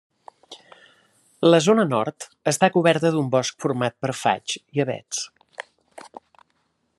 La zona nord està coberta d'un bosc format per faigs i avets.